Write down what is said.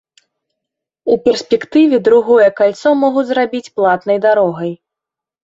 У перспектыве другое кальцо могуць зрабіць платнай дарогай.